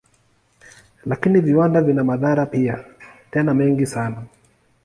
Lakini viwanda vina madhara pia, tena mengi sana.